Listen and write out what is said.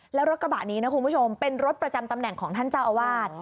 แล้วรถกระบะนี้นะคุณผู้ชมเป็นรถประจำตำแหน่งของท่านเจ้าอาวาส